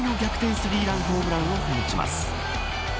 スリーランホームランを放ちます。